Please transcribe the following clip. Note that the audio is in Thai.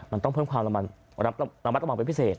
มันต้องเพิ่มความระมัดระวังเป็นพิเศษ